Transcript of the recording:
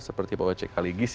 seperti pak wc kaligis